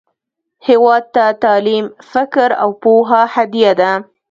هیواد ته تعلیم، فکر، او پوهه هدیه ده